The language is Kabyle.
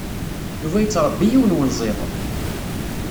Yuba yettṛebbi yiwen wenziḍ.